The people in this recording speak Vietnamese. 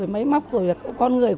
máy móc con người